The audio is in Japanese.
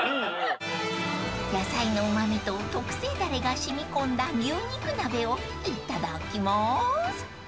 ［野菜のうま味と特製ダレが染み込んだ牛肉鍋をいただきます］